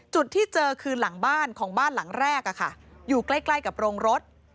จุดที่เจอคือหลังบ้านของบ้านหลังแรกอยู่ใกล้กับโรงรถ